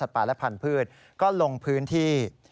สัตว์ป่าและพันธุ์พืชก็ลงพื้นที่